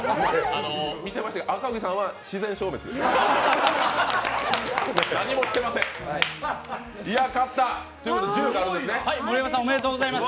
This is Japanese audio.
見てましたけど赤荻さんは自然消滅です。